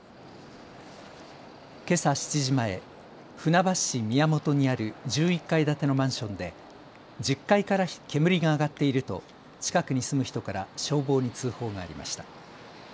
けさ７時前、船橋市宮本にある１１階建てのマンションで１０階から煙が上がっていると近くに住む人から消防に通報がありました。